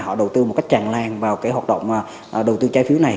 họ đầu tư một cách tràn lan vào cái hoạt động đầu tư trái phiếu này